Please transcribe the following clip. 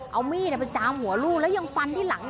เอามีดไปจามหัวลูกแล้วยังฟันที่หลัง